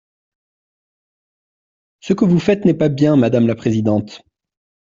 Ce que vous faites n’est pas bien, madame la présidente.